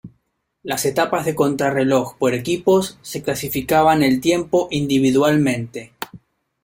Las etapas de contrarreloj por equipos se clasificaban el tiempo individualmente.